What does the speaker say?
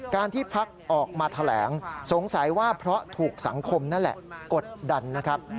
ที่พักออกมาแถลงสงสัยว่าเพราะถูกสังคมนั่นแหละกดดันนะครับ